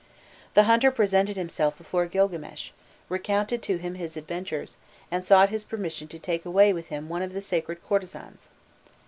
The hunter presented himself before Grilgames, recounted to him his adventures, and sought his permission to take away with him one of the sacred courtesans.